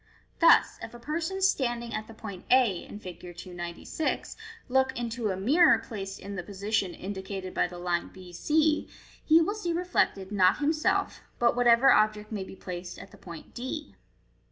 Thus, if a peison standing at the point a, in Fig. 296, look into a mirror placed in the position indi » Fig. 296. Fro. 297. cated by the line b c, he will see reflected, not himself, but what ever object may be placed at the point d.